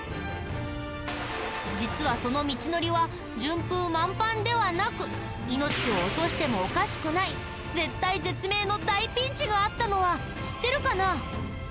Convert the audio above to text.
実はその道のりは順風満帆ではなく命を落としてもおかしくない絶体絶命の大ピンチがあったのは知ってるかな？